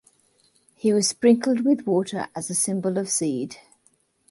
He was sprinkled with water as a symbol of seed.